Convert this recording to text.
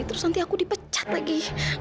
terus nanti aku dipecat lagi